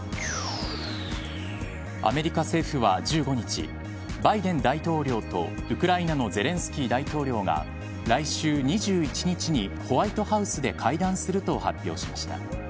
アメリカ政府は１５日バイデン大統領とウクライナのゼレンスキー大統領が来週２１日にホワイトハウスで会談すると発表しました。